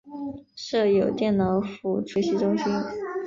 设有电脑辅助学习中心。